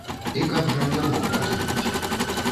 І каб жа не мог пакінуць.